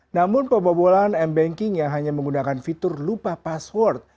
namun pembobolan m banking yang hanya menggunakan fitur lupa password